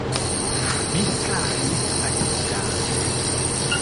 Mi staris, atendante.